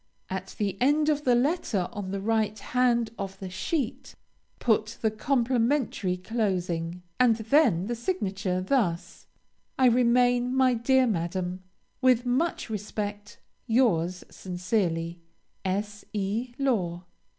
At the end of the letter, on the right hand of the sheet, put the complimentary closing, and then the signature; thus I remain, my dear Madam, With much respect, Yours sincerely, S. E. LAW.